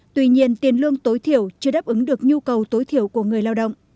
tuy nhiên tiền lương tối thiểu chưa đáp ứng được nhu cầu tối thiểu của người lao động